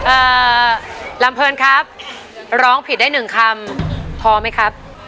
อ่าลำเพลินครับร้องผิดได้หนึ่งคำพอไหมครับ